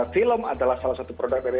film adalah salah satu produk dari